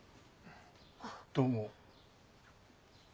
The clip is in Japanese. どうも。